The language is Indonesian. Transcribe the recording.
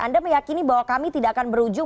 anda meyakini bahwa kami tidak akan berujung